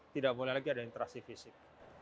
tidak boleh lagi ada interaksi fisik